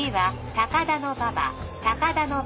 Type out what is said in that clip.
高田馬場。